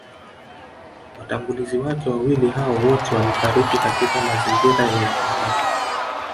Watangulizi wake wawili hao wote wamefariki katika mazingira yenye utata